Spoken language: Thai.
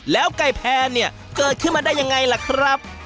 แล้วไก่แพนเนี่ยเกิดขึ้นมาได้ยังไงล่ะครับ